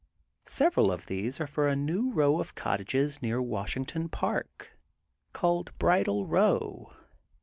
Several of these are for a new row of cottages near Washington Park called Bridal Row.